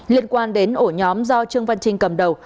liên quan đến ổ nhóm do trương văn trinh cầm đầu